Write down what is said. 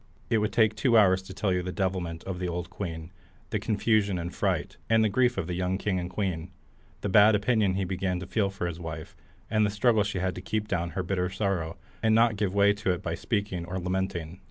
It would take two hours to tell you the devilment of the old queen, the confusion and fright, and grief of the young king and queen, the bad opinion he began to feel of his wife, and the struggle she had to keep down her bitter sorrow, and not give way to it by speaking or lamenting.